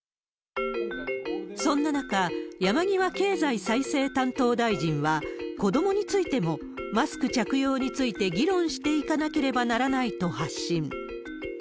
そんな中、山際経済再生担当大臣は、子どもについても、マスク着用について議論していかなければならないと発信。